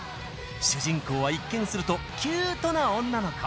主人公は一見するとキュートな女の子。